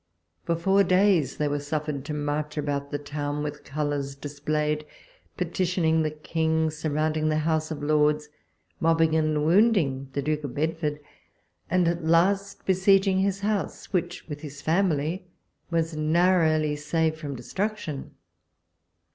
For four days they were suffered to march about the town with colours displayed, petitioning the King, surrounding the House of Lords, mobbing and wounding the Duke of Bed ford, and at last besieging his house, which, with his family, was narrowly saved from destruc tion.